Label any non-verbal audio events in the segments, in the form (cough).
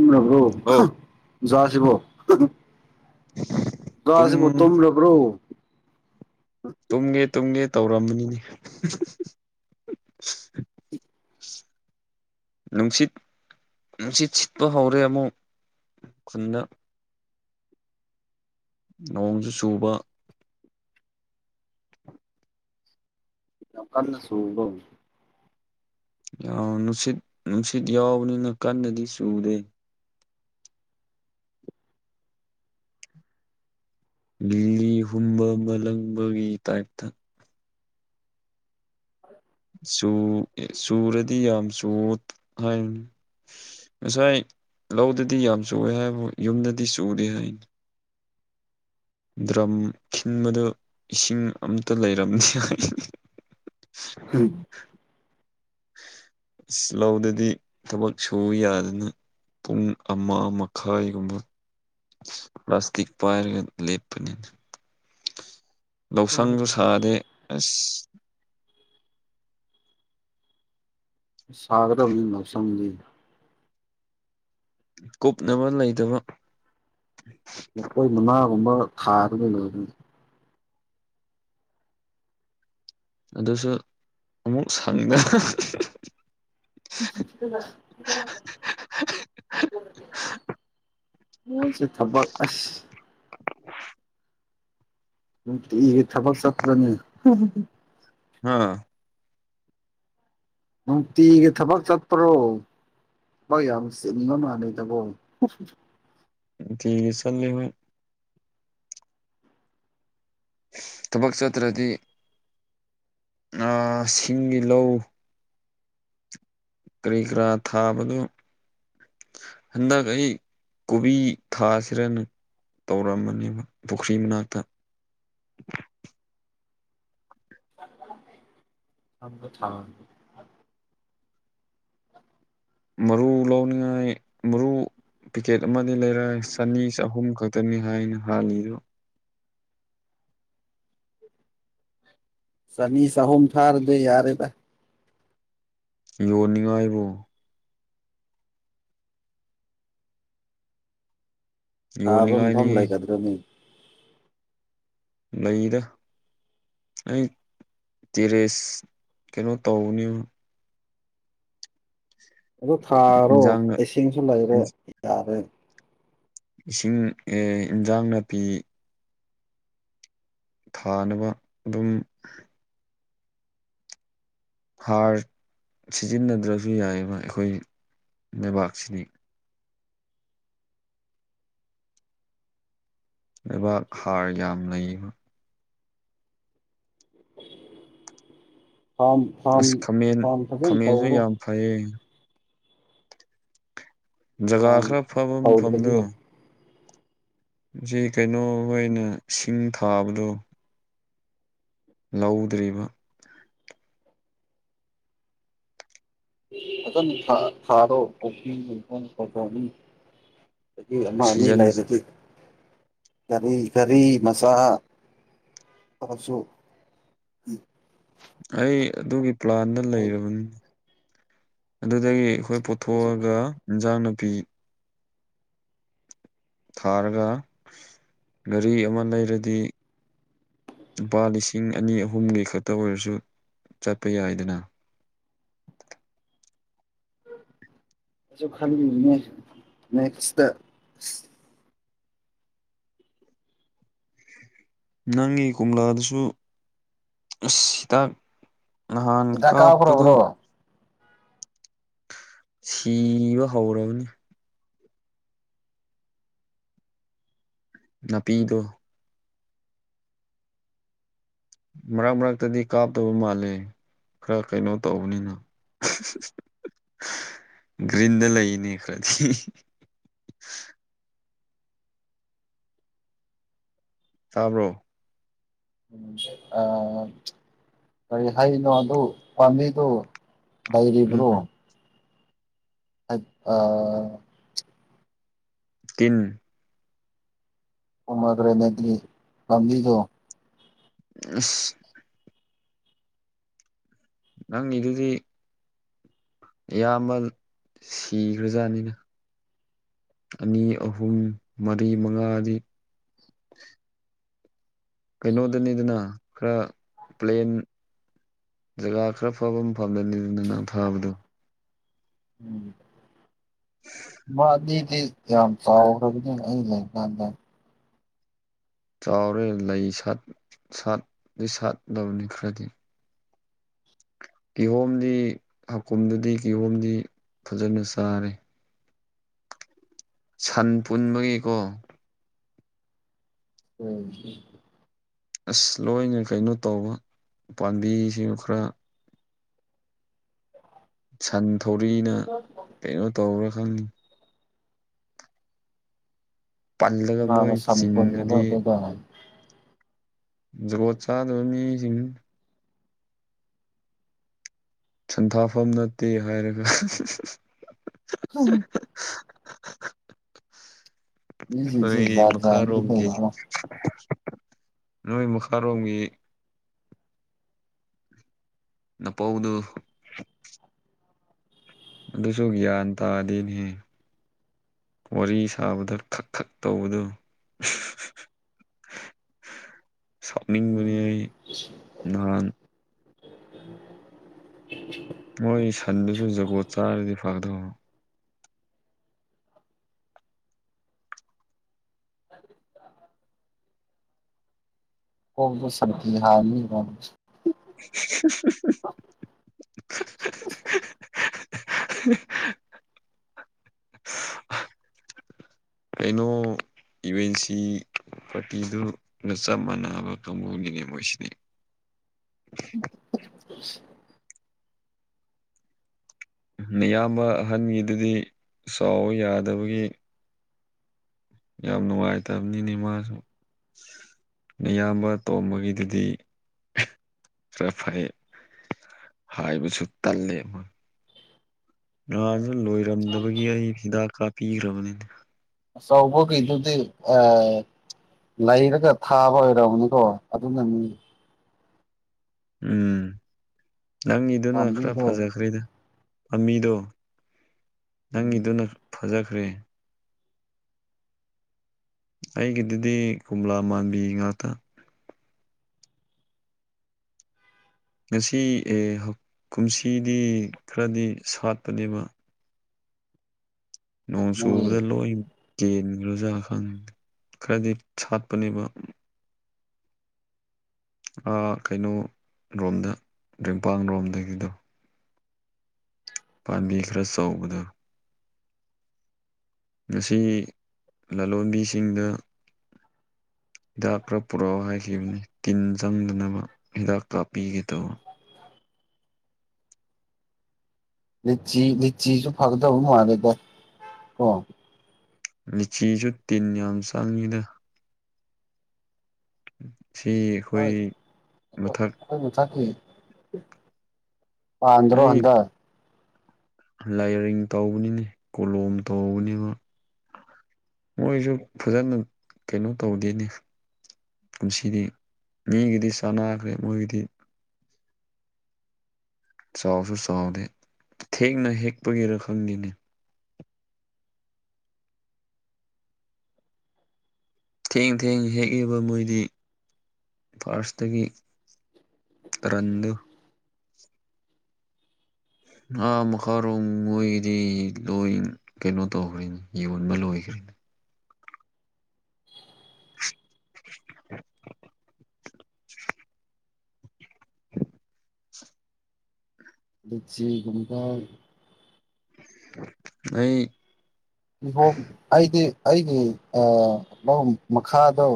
ꯎ (unintelligible) ꯅꯕ꯭ꯔꯣ (unintelligible) ꯑꯣ ꯆꯥꯁꯤꯕ (unintelligible) ꯖꯥꯁꯤꯕꯨ ꯇꯨꯝ ꯇꯨꯝꯂꯕ꯭ꯔꯣ ꯇꯨꯝꯒꯦ ꯇꯨꯝꯒꯦ ꯇꯧꯔꯝꯕꯅꯤꯅꯦ ꯅꯨꯡꯁꯤꯠ ꯅꯨꯡꯁꯤꯠ ꯁꯤꯠꯄ ꯍꯧꯔꯦ ꯑꯃꯨꯛ ꯈꯨꯟꯗ ꯅꯣꯡꯁꯨ ꯆꯨꯕ ꯌꯥꯝ ꯀꯟꯅ ꯆꯨꯕ꯭ꯔꯣ ꯌꯥꯎ ꯅꯨꯡꯁꯤꯠ ꯅꯨꯡꯁꯤꯠ ꯌꯥꯎꯕꯅꯤꯅ ꯀꯟꯅꯗꯤ ꯆꯨꯗꯦ ꯂꯤꯂꯤ ꯍꯨꯝꯕ ꯃꯥꯂꯪꯕꯒꯤ ꯇꯥꯏꯞꯇ (unintelligible) ꯆꯨ ꯆꯨꯔꯗꯤ ꯌꯥꯝ ꯆꯨꯋꯣ ꯍꯥꯏꯕꯅꯤ ꯉꯁꯥꯏ ꯂꯧꯗꯗꯤ ꯌꯥꯝ ꯆꯨꯌꯦ ꯍꯥꯏꯕꯨ ꯌꯨꯝꯗꯗꯤ ꯆꯨꯗꯦ ꯍꯥꯏꯅꯦ ꯗ꯭ꯔꯝ ꯈꯤꯟꯕꯗꯨ ꯏꯁꯤꯡ ꯑꯝꯇ ꯂꯩꯔꯝꯗꯦ ꯍꯥꯏ ꯍꯝ (unintelligible) ꯑꯁ ꯂꯧꯗꯗꯤ ꯊꯕꯛ ꯁꯨ ꯌꯥꯗꯅ ꯄꯨꯡ ꯑꯃ ꯃꯈꯥꯏꯒꯨꯝꯕ ꯄ꯭ꯂꯥꯁꯇꯤꯛ ꯄꯥꯏꯔꯒ ꯂꯦꯞꯄꯅꯤꯅꯦ ꯑꯣ ꯂꯧꯁꯪꯁꯨ ꯁꯥꯗꯦ ꯑꯁ ꯁꯥꯒꯗꯕꯅꯤ ꯂꯧꯁꯪꯗꯤ ꯀꯨꯞꯅꯕ ꯂꯩꯇꯕ ꯂꯐꯣꯏ ꯃꯉꯥꯒꯨꯝꯕ ꯊꯥꯔꯣ ꯀꯩꯅꯣ ꯑꯗꯨꯅꯤ ꯑꯗꯨꯁꯨ ꯑꯃꯨꯛ ꯁꯪꯗ (unintelligible) ꯃꯣꯏꯁꯨ ꯊꯕꯛ ꯑꯁ ꯅꯨꯡꯇꯤꯒꯤ ꯊꯕꯛ ꯆꯄ꯭ꯔꯅꯤ ꯍꯥ ꯅꯨꯡꯇꯤꯒꯤ ꯊꯕꯛ ꯆꯠꯄ꯭ꯔꯣ ꯊꯕꯛ ꯌꯥꯝ ꯆꯤꯟꯕ ꯃꯥꯜꯂꯦꯗꯀꯣ ꯅꯨꯡꯇꯤꯒꯤ ꯆꯠꯂꯦ ꯍꯣꯏ ꯊꯕꯛ ꯆꯠꯇ꯭ꯔꯗꯤ ꯑ ꯁꯤꯡꯒꯤ ꯂꯧ ꯀꯔꯤ ꯀꯔꯥ ꯊꯥꯕꯗꯨ ꯍꯟꯗꯛ ꯑꯩ ꯀꯣꯕꯤ ꯊꯥꯁꯦꯔꯅ ꯇꯧꯔꯝꯕꯅꯦꯕ ꯄꯨꯈ꯭ꯔꯤ ꯃꯅꯥꯛꯇ (unintelligible) ꯊꯥ ꯃꯔꯨ ꯂꯧꯅꯤꯡꯉꯥꯏ ꯃꯔꯨ ꯄꯤꯀꯦꯠ ꯑꯃꯗꯤ ꯂꯩꯔ ꯆꯅꯤ ꯆꯍꯨꯝ ꯈꯛꯇꯅꯤ ꯍꯥꯏꯅ ꯍꯥꯜꯂꯤꯗꯣ ꯆꯅꯤ ꯆꯍꯨꯝ ꯐꯥꯔꯗꯨ ꯌꯥꯔꯦꯗ ꯌꯣꯟꯅꯤꯡꯉꯥꯏꯕꯨ ꯊꯥꯕ ꯃꯐꯝ ꯌꯣꯟꯅꯤꯡꯉꯥꯏꯅꯤ ꯂꯩꯒꯗ꯭ꯔꯅꯤ ꯂꯩꯗ ꯑꯩ ꯇꯦꯔꯦꯁ ꯀꯩꯅꯣ ꯇꯧꯅꯤꯕ ꯑꯗꯣ ꯊꯥꯔꯣ ꯏꯟꯖꯥꯡꯅ ꯏꯁꯤꯡꯁꯨ ꯂꯩꯔꯦ ꯌꯥꯔꯦ ꯏꯁꯤꯡ ꯑꯦ ꯏꯟꯖꯥꯡ ꯅꯥꯄꯤ ꯊꯥꯅꯕ ꯑꯗꯨꯝ ꯍꯥꯔ ꯁꯤꯖꯤꯟꯅꯗ꯭ꯔꯁꯨ ꯌꯥꯏꯌꯦꯕ ꯑꯩꯈꯣꯏ ꯂꯩꯕꯥꯛꯁꯤꯗꯤ ꯂꯩꯕꯥꯛ ꯍꯥꯔ ꯌꯥꯝ ꯂꯩꯕ ꯐꯥꯝ ꯐꯥꯝ ꯑꯁ ꯈꯥꯃꯦꯟ ꯐꯥꯝ ꯐꯖꯅ ꯈꯥꯃꯦꯟꯁꯨ ꯇꯧꯔꯣ ꯌꯥꯝ ꯐꯩꯌꯦ ꯖꯒꯥ ꯐꯥꯝ ꯈꯔ ꯐꯕ ꯇꯧꯗ꯭ꯔꯗꯤ ꯃꯐꯝꯗꯣ ꯁꯤ ꯀꯩꯅꯣ ꯍꯣꯏꯅ ꯁꯤꯡ ꯊꯥꯕꯗꯣ ꯂꯧꯗ꯭ꯔꯤꯕ ꯐꯖꯅ ꯊꯥꯔꯣ (unintelligible) (unintelligible) ꯑꯃ ꯑꯅꯤ ꯁꯤꯖꯟ ꯂꯩꯥꯔꯗꯤ ꯀꯔꯤ ꯀꯔꯤ ꯃꯆꯥꯥ ꯇꯁꯨ ꯑꯩ ꯑꯗꯨꯒꯤ ꯄ꯭ꯂꯥꯟꯗ ꯑꯩ ꯂꯩꯔꯕꯅꯤ ꯑꯗꯨꯗꯒꯤ ꯑꯩꯈꯣꯏ ꯑꯩꯁꯨ ꯄꯨꯣꯊꯣꯛꯑꯒ ꯏꯟꯖꯥꯡ ꯅꯨꯄꯤ ꯊꯥꯔꯒ ꯒꯥꯔꯤ ꯑꯃ ꯂꯩꯔꯗꯤ ꯂꯨꯄꯥ ꯂꯤꯁꯤꯡ ꯑꯅꯤ ꯑꯍꯨꯝꯒꯤ ꯈꯛꯇ ꯑꯣꯏꯔꯁꯨ ꯆꯠꯄ ꯌꯥꯏꯗꯅ ꯑꯩꯁꯨ ꯈꯜꯂꯤꯅꯤꯅꯦ ꯅꯦꯛꯁꯇ ꯅꯪꯒꯤ ꯀꯣꯝꯂꯥꯗꯁꯨ ꯑꯁ ꯍꯤꯗꯥꯛ ꯅꯍꯥꯟ ꯍꯤꯗꯥꯛ ꯀꯥꯞꯄꯗꯨ ꯀꯥꯞꯈ꯭ꯔꯕ꯭ꯔꯣ ꯑꯥ ꯁꯤꯕ ꯍꯧꯔꯕꯅꯤ ꯅꯥꯄꯤꯗꯣ ꯃꯔꯛ ꯃꯔꯛꯇꯗꯤ ꯀꯥꯞꯇꯕ ꯃꯥꯜꯂꯦ ꯈꯔ ꯀꯩꯅꯣ ꯇꯧꯕꯅꯤꯅ (unintelligible) ꯒ꯭ꯔꯤꯟꯗ ꯂꯩꯅꯦ ꯈꯔꯗꯤ ꯇꯥꯕ꯭ꯔꯣ ꯑ ꯀꯔꯤ ꯍꯥꯏꯅꯣ ꯑꯗꯨ ꯄꯥꯝꯕꯤꯗꯨꯣ ꯎꯝ ꯂꯩꯔꯤꯕ꯭ꯔꯣ ꯑ ꯑ ꯇꯤꯟ ꯄꯣꯃꯒ꯭ꯔꯅꯦꯇꯦ ꯄꯥꯝꯕꯤꯗꯣ ꯑꯁ ꯅꯪꯒꯤꯗꯨꯗꯤ ꯏꯌꯥꯝꯕ ꯁꯤꯈ꯭ꯔꯖꯥꯠꯅꯤꯅ ꯑꯅꯤ ꯑꯍꯨꯝ ꯃꯔꯤ ꯃꯉꯥꯗꯤ ꯀꯩꯅꯣꯗꯅꯤꯗꯅ ꯈꯔ ꯄ꯭ꯂꯦꯟ ꯖꯒꯥ ꯈꯔ ꯐꯕ ꯑꯃ ꯐꯝꯗꯅꯤ ꯑꯗꯨꯅ ꯐꯥꯕꯗꯣ ꯎꯝ ꯃꯥ ꯗꯤ ꯗꯤ ꯌꯥꯝ ꯆꯥꯎꯈ꯭ꯔꯕꯅꯦ ꯑꯩ ꯂꯩ ꯀꯥꯟꯗ ꯆꯥꯎꯔꯦ ꯂꯩ ꯁꯥꯠ ꯁꯥꯠꯇ ꯁꯥꯠꯂꯕꯅꯤ ꯈꯔꯗꯤ ꯒꯤꯍꯣꯝꯗꯤ ꯍꯀꯨꯝꯗꯨꯗꯤ ꯀꯤꯍꯣꯝꯗꯤ ꯐꯖꯅ ꯆꯥꯔꯦ ꯁꯟ ꯄꯨꯟꯕꯒꯤꯀꯣ ꯎꯝ ꯑꯁ ꯂꯣꯏꯅ ꯀꯩꯅꯣ ꯇꯧꯕ ꯎ ꯄꯥꯝꯕꯤꯁꯤꯡ ꯈꯔ ꯁꯟ ꯊꯧꯔꯤꯅ ꯀꯩꯅꯣ ꯇꯧꯔꯥ ꯈꯪꯉꯤ ꯄꯜꯂꯒ ꯀꯥꯅꯥꯅ ꯃꯣꯏ ꯁꯄꯅꯤꯕ ꯆꯤꯡꯉꯗꯤ ꯑꯗꯨꯗ ꯖꯒꯣꯠ ꯆꯥꯗꯕ ꯃꯤꯁꯤꯡ ꯁꯟꯊꯥꯐꯝ ꯅꯠꯇꯦ ꯍꯥꯏꯔꯒ ꯍ ꯃꯤꯁꯤꯡꯁꯦ ꯅꯣꯏ ꯖꯥꯠ ꯖꯥꯠꯅꯤ ꯂꯩꯕ ꯃꯈꯥꯔꯣꯝꯒꯤ ꯅꯣꯏ ꯃꯈꯥꯔꯣꯝꯒꯤ ꯅꯄꯥꯎꯗꯨ ꯑꯗꯨꯁꯨ ꯒꯌ꯭ꯥꯟ ꯇꯥꯗꯦ ꯅꯦꯍꯦ ꯋꯥꯔꯤ ꯁꯥꯕꯗ ꯈꯛ ꯈꯛ ꯇꯧꯕꯗꯨ ꯁꯅꯤꯡꯕꯅꯤ ꯑꯩ ꯅꯍꯥꯟ ꯃꯣꯏ ꯁꯟꯗꯨꯁꯨ ꯖꯒꯣꯠ ꯆꯥꯔꯗꯤ ꯐꯒꯗꯕꯅꯣ ꯍ ꯁꯔ ꯃꯤ (unintelligible) (unintelligible) (unintelligible) ꯑꯩꯅꯣ ꯏꯨꯚ ꯑꯦꯟ ꯁꯤ ꯄꯥꯔꯇꯤꯗꯨꯅ ꯆꯞ ꯃꯥꯟꯅꯕ ꯀꯥꯡꯕꯨꯅꯤꯅꯦ ꯃꯣꯏꯁꯤꯗꯤ ꯝ ꯃꯤꯌꯥꯝꯕ ꯑꯍꯟꯒꯤꯗꯨꯗꯤ ꯆꯥꯎꯕ ꯌꯥꯗꯕꯒꯤ ꯌꯥꯝ ꯅꯨꯡꯉꯥꯏꯇꯕꯅꯤꯅꯦ ꯃꯥꯁꯨ ꯌꯥꯝꯕ ꯇꯣꯝꯕꯒꯤꯗꯨꯗꯤ ꯈꯔ ꯐꯩ ꯍꯥꯏꯕꯨꯁꯨ ꯇꯜꯂꯦ ꯅꯍꯥꯟꯁꯨ ꯂꯣꯏꯔꯝꯗꯕꯒꯤ ꯑꯩ ꯍꯤꯗꯥꯛ ꯀꯥꯞꯄꯤꯈ꯭ꯔꯕꯅꯤꯅ ꯁꯥꯎꯕ ꯀꯩꯗꯨꯗꯤ ꯑ ꯂꯩꯔꯒ ꯊꯥꯕ ꯑꯣꯏꯔꯝꯅꯤꯀꯣ ꯑꯗꯨꯅ ꯃꯤ ꯎꯝ ꯅꯪ ꯏꯗꯨꯅ ꯈ꯭ꯔꯔ ꯄꯥꯝꯕꯤꯗꯣ ꯐꯥꯖ ꯈ꯭ꯔꯦꯗ ꯄꯥꯝꯕꯤꯗꯣ ꯎꯝ ꯅꯪꯒꯤꯗꯨꯅ ꯐꯖꯈ꯭ꯔꯦ ꯑꯩꯒꯤꯗꯨꯗꯤ ꯀꯣꯝꯂꯥ ꯃꯥꯟꯕꯤ ꯉꯥꯛꯇ ꯉꯁꯤ ꯑꯦ ꯀꯨꯝꯁꯤꯗꯤ ꯈꯔꯗꯤ ꯁꯥꯠꯄꯅꯦꯕ ꯅꯣꯡ ꯆꯨꯕꯗ ꯅꯣꯏ ꯂꯣꯏ ꯀꯦꯟꯈ꯭ꯔꯣꯖꯥ ꯈꯪ ꯈꯔꯗꯤ ꯁꯥꯠꯄꯅꯦꯕ ꯀꯩꯅꯣ ꯔꯣꯝꯗ ꯔꯤꯝꯄꯥꯟ ꯔꯣꯝꯗꯒꯤꯗꯣ ꯄꯥꯝꯕꯤ ꯈꯔ ꯆꯥꯎꯧꯕꯗ ꯉꯁꯤ ꯂꯂꯣꯟꯕꯤꯁꯤꯡꯗ ꯍꯤꯗꯥꯛ ꯈꯔ ꯄꯨꯔꯛꯑꯣ ꯍꯥꯏꯈꯤꯕꯅꯤ ꯇꯤꯟ ꯆꯪꯗꯅꯕ ꯍꯤꯗꯥꯛ ꯀꯥꯞꯄꯤꯒꯦ ꯇꯧꯕ ꯂꯤꯆꯤ ꯂꯤꯆꯤꯁꯨ ꯐꯒꯗꯕ ꯃꯥꯜꯂꯦꯗ ꯀꯣ ꯂꯤꯦꯆꯤꯁꯨ ꯇꯤꯟ ꯌꯥꯝ ꯆꯪꯉꯤꯗ ꯎꯝ ꯍ ꯊ ꯑꯟꯗ꯭ꯔꯣ ꯑꯩ ꯍꯟꯗ ꯂꯥꯏꯌꯔꯤꯡ ꯇꯧꯕꯅꯤꯅꯦ ꯀꯣꯂꯣꯝ ꯇꯧꯕꯅꯤꯕ ꯃꯣꯏꯁꯨ ꯐꯖꯅ ꯀꯩꯅꯣ ꯇꯧꯗꯦꯅꯦ ꯄꯨꯟꯁꯤꯗꯤ ꯃꯤꯒꯤꯗꯤ ꯆꯥꯟꯅꯈ꯭ꯔꯦ ꯃꯣꯏꯒꯤꯗꯤ ꯆꯥꯎꯁꯨ ꯆꯥꯎꯗꯦ ꯊꯦꯡꯅ ꯍꯦꯛꯄꯒꯤꯔ ꯈꯪꯗꯦꯅꯦ ꯊꯦꯡ ꯊꯦꯡ ꯍꯦꯛꯏꯕ ꯃꯣꯏꯗꯤ ꯐꯥꯔꯁꯇꯒꯤ ꯇꯗꯨ ꯉꯥ ꯃꯈꯥꯔꯣꯝ ꯃꯣꯏꯒꯤꯗꯤ ꯂꯣꯏ ꯀꯩꯅꯣ ꯇꯧꯈ꯭ꯦꯅꯤ ꯌꯣꯟꯕ ꯂꯣꯏꯈ꯭ꯔꯤꯅꯤ ꯂꯗꯤꯆꯤ ꯀꯨꯝꯀꯥꯏ ꯑꯩ ꯏꯍꯣ ꯑꯩꯗꯤ ꯑꯩꯒꯤ ꯃꯈꯥꯗꯣ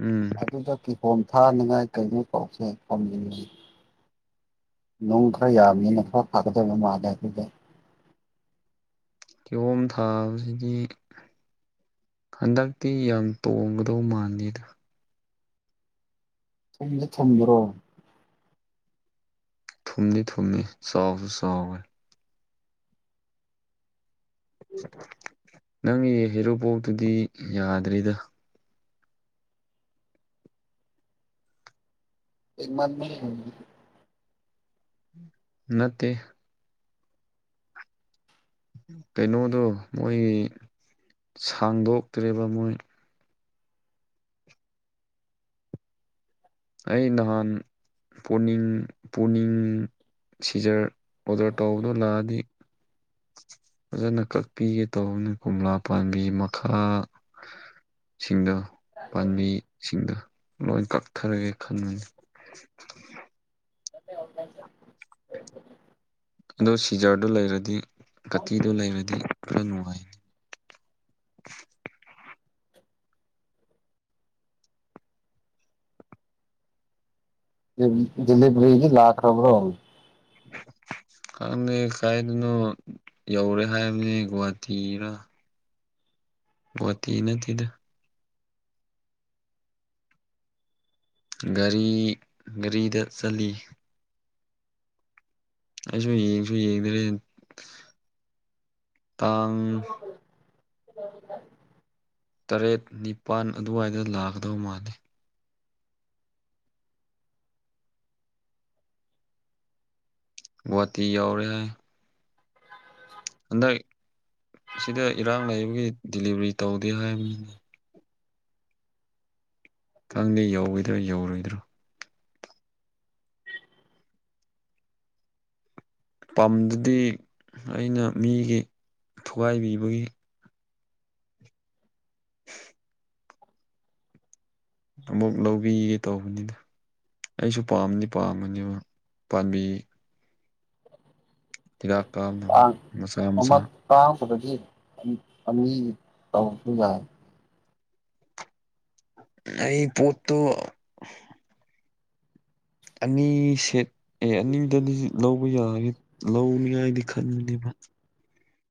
ꯎꯝ ꯑꯗꯨꯗ ꯀꯤꯍꯣꯝ ꯊꯥꯅꯤꯡꯉꯥꯏ ꯀꯩꯅꯣ ꯄꯥꯎꯁꯦ ꯐꯝꯅꯤꯡꯅꯤꯡꯤ ꯅꯨꯡ ꯈꯔ ꯌꯥꯝꯅꯤꯅ ꯈꯔ ꯐꯥꯀꯗꯕ ꯃꯥꯜꯂꯦ ꯑꯩꯈꯣꯏꯗ ꯀꯤꯌꯣꯝ ꯊꯥꯕꯁꯤꯗꯤ ꯍꯟꯗꯛꯇꯤ ꯌꯥꯝ ꯇꯣꯡꯒꯗꯧ ꯃꯥꯥꯟꯜꯂꯤꯦꯗ ꯊꯝꯗꯤ ꯊꯝꯗ꯭ꯔꯣ ꯊꯨꯝꯅꯤ ꯊꯨꯝꯅꯤ ꯆꯥꯎꯁꯨ ꯆꯥꯎꯋꯦ ꯅꯪꯒꯤ ꯍꯦꯔꯣꯄꯣꯛꯇꯨꯗꯤ ꯌꯥꯗ꯭ꯔꯔꯤꯗ ꯃ ꯅꯠꯇꯦ ꯀꯩꯅꯣꯗꯣ ꯃꯣꯏ ꯁꯥꯡꯗꯣꯛꯇ꯭ꯔꯦꯕ ꯃꯣꯏ ꯑꯩ ꯅꯍꯥꯟ ꯄꯨꯅꯤꯡ ꯄꯨꯛꯅꯤꯡ ꯁꯤꯖꯔ ꯑꯣꯗꯔ ꯇꯧꯕꯗꯣ ꯂꯥꯛꯑꯗꯤ ꯐꯖꯅ ꯀꯛꯄꯤꯒꯦ ꯇꯧꯕꯅꯤ ꯀꯣꯝꯂꯥ ꯄꯥꯝꯕꯤ ꯃꯈꯥ ꯁꯤꯡꯗꯣ ꯄꯥꯝꯕꯤꯁꯤꯡꯗ ꯂꯣꯏ ꯀꯛꯊꯔꯒꯦ ꯈꯟꯕꯅꯤ ꯑ ꯁꯤꯖꯔꯗꯨ ꯂꯩꯔꯗꯤ ꯀꯇꯤꯗꯨ ꯂꯩꯔꯗꯤ ꯄꯨꯔ ꯅꯨꯡꯉꯥꯏꯅꯤ ꯗꯤꯂꯤꯕꯔꯤ ꯂꯥꯛꯈ ꯔꯣꯕꯔꯣ ꯈꯪꯗꯦ ꯀꯥꯏꯗꯅꯣ ꯌꯧꯔꯦ ꯍꯥꯏꯕꯅꯦ ꯒꯨꯍꯥꯇꯤꯔ ꯕꯣꯠꯇꯤ ꯅꯠꯇꯦꯗ ꯒꯥꯔꯤ ꯒꯥꯔꯤꯗ ꯆꯜꯂꯤꯠꯂꯤ ꯑꯩꯁꯨ ꯌꯦꯡꯁꯨ ꯌꯦꯡꯗ꯭ꯔꯦ ꯇꯥꯡ ꯇꯔꯦꯠ ꯅꯤꯄꯥꯜ ꯑꯗꯨꯋꯥꯏꯗ ꯂꯥꯛꯒꯗꯧ ꯃꯥꯜꯂꯤ ꯒꯨꯍꯥꯇꯤ ꯌꯥꯎꯔꯦ ꯍꯥꯏ ꯍꯟꯗꯛ ꯁꯤꯗ ꯏꯔꯥꯡ ꯂꯩꯕꯒꯤ ꯗꯤꯂꯤꯕꯔꯤ ꯇꯧꯗꯦ ꯍꯥꯏꯕꯅꯤꯅ ꯈꯪꯗꯦ ꯌꯧꯔꯣꯏꯗ꯭ꯔꯣ ꯌꯧꯔꯣꯏꯗ꯭ꯔꯣ ꯄꯥꯝꯗꯨꯗꯤ ꯑꯩꯅ ꯃꯤꯒꯤ ꯊꯨꯒꯥꯏꯕꯤꯕꯒꯤ ꯑꯃꯨꯛ ꯂꯧꯕꯤꯒꯦ ꯇꯧꯕꯅꯤꯅ ꯑꯩꯁꯨ ꯄꯥꯝꯅꯤ ꯄꯥꯝꯃꯅꯦꯕ ꯄꯥꯝꯕꯤ ꯊꯤꯔꯀꯥꯗꯕ ꯃꯁꯥ ꯃꯁꯥ ꯇꯥꯄꯗꯒꯤ ꯑꯅꯤ ꯇꯧꯔꯁꯨ ꯌꯥꯏ ꯑꯩ ꯄꯣꯠꯇꯣ ꯑꯅꯤ ꯁꯦꯠ ꯑꯦ ꯑꯅꯤꯗꯗꯤ ꯂꯧꯕ ꯌꯥꯒꯦ ꯂꯧꯅꯤꯉꯥꯏꯗꯤ ꯈꯟꯕꯅꯦꯕ